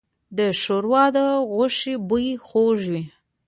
ښوروا د غوښې بوی خوږوي.